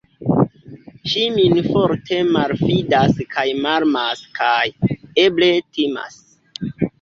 Ŝi min forte malfidas kaj malamas kaj, eble, timas.